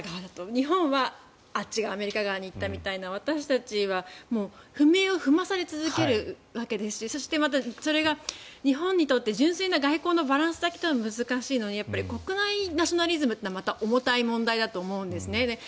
日本はあっち側アメリカ側に行ったみたいな私たちは踏み絵を踏まされ続けるわけですしそしてまたそれが日本にとって純粋な外交バランスを取るだけでも難しいので国内ナショナリズムというのはまた重たい問題だと思うんですね。